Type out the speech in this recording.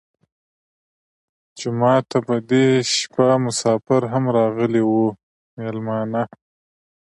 جومات ته په دې شپه مسافر هم راغلي وو مېلمانه.